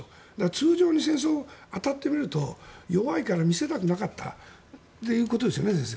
通常に戦争で当たってみると弱いから見せたくなかったということですよね、先生。